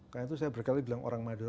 karena itu saya berkali bilang orang madura